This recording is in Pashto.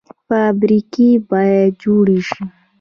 فابریکې باید جوړې شي